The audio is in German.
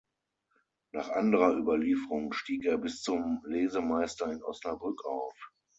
Nach anderer Überlieferung stieg er bis zum Lesemeister in Osnabrück auf.